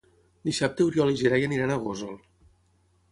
Dissabte n'Oriol i en Gerai aniran a Gósol.